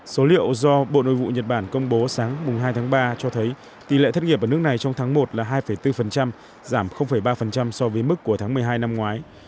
số liệu do bộ nội vụ nhật bản công bố sáng hai tháng ba cho thấy tỷ lệ thất nghiệp ở nước này trong tháng một là hai bốn giảm ba so với mức của tháng một mươi hai năm ngoái